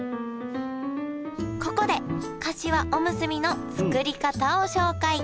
ここでかしわおむすびの作り方を紹介！